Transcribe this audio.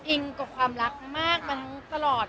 อิงกับความรักมากมันตลอด